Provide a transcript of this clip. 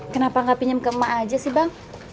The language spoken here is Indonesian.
kenapa gak pinjem ke emak aja sih bang